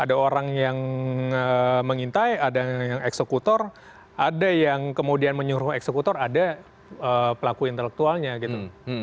ada orang yang mengintai ada yang eksekutor ada yang kemudian menyuruh eksekutor ada pelaku intelektualnya gitu